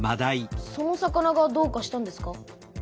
その魚がどうかしたんですか？